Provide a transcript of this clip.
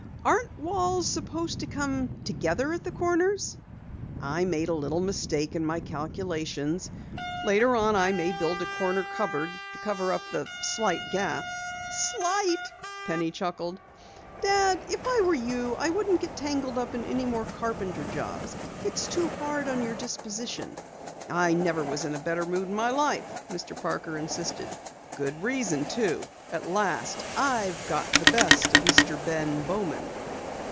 "Aren't walls supposed to come together at the corners?" "I made a little mistake in my calculations. Later on I may build a corner cupboard to cover up the slight gap." "Slight!" Penny chuckled. "Dad, if I were you I wouldn't get tangled up in any more carpenter jobs. It's too hard on your disposition." "I never was in a better mood in my life," Mr. Parker insisted. "Good reason, too. At last I've got the best of Mr. Ben Bowman!"